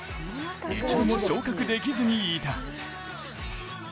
一度も昇格できずにいた。